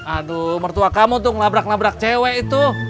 aduh mertua kamu tuh ngelabrak labrak cewek itu